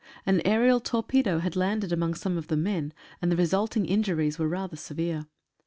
An aerial torpedo had landed among some of the men, and the resulting injuries were rather severe.